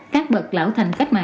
các bậc lão thành cách mạng